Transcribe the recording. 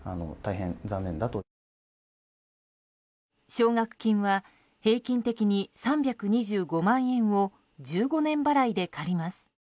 奨学金は平均的に３２５万円を１５年払いで借ります。